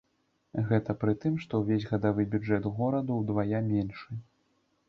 Гэта пры тым, што ўвесь гадавы бюджэт гораду ўдвая меншы.